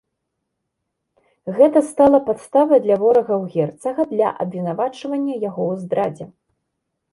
Гэта стала падставай для ворагаў герцага для абвінавачвання яго ў здрадзе.